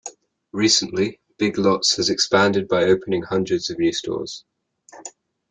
Recently, Big Lots has expanded by opening hundreds of new stores.